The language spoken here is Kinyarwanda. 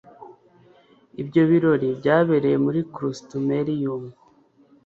ibyo birori byabereye Muri Crustumerium